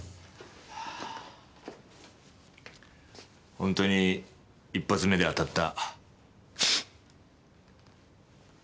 ホントに一発目で当たった。